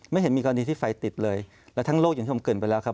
เห็นมีกรณีที่ไฟติดเลยและทั้งโลกอย่างที่ผมเกิดไปแล้วครับ